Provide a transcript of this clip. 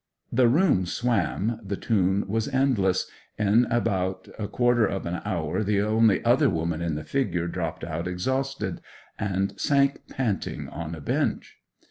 The room swam, the tune was endless; and in about a quarter of an hour the only other woman in the figure dropped out exhausted, and sank panting on a bench.